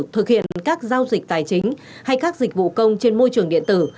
thực hiện các giao dịch tài chính hay các dịch vụ công trên môi trường điện tử